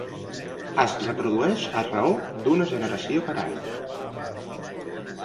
Es reprodueixen a raó d'una generació per any.